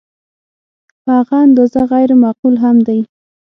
په هغه اندازه غیر معقول هم دی.